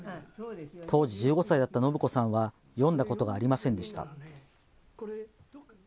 当時１５歳だった信子さんは読んだことがありませんでした。